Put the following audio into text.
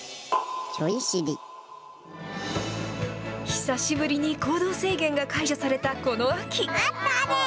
久しぶりに行動制限が解除されたこの秋。